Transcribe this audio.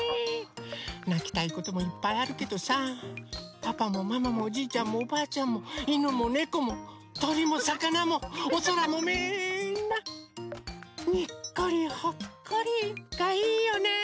泣きたいこともいっぱいあるけどさパパもママもおじいちゃんもおばあちゃんも犬も猫も鳥も魚も、お空もみんなにっこりほっこりがいいよね。